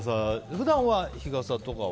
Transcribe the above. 普段は日傘とかは？